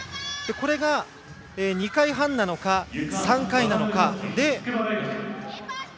これが２回半なのか３回なのかで。